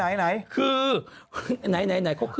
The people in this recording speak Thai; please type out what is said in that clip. ่าเข้าขึ้นมาเนี้ยเธอ